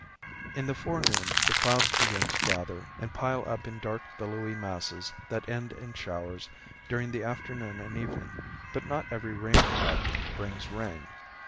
In the forenoon the clouds begin to gather and pile up in dark billowy masses that end in showers during the afternoon and evening. But not every rain cloud brings rain.